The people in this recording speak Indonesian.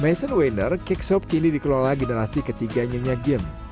mesin weiner keksop kini dikelola generasi ketiganya nya gim